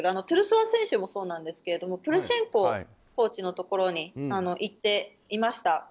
トゥルソワ選手もそうなんですけどプルシェンココーチのところに行っていました。